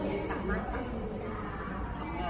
ที่คุณแต่เอาออกไปมา